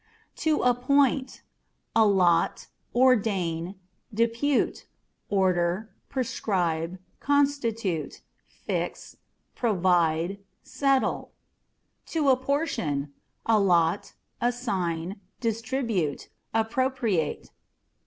To Appoint â€" allot, ordain, depute, order, prescribe, constitute, fix, provide, settle. To Apportion â€" allot, assign, distribute, appropriate.